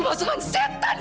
kemasukan setan kamu ya